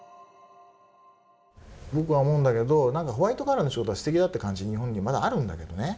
僕は思うんだけどなんか、ホワイトカラーの仕事はすてきだって感じ日本にまだあるんだけどね。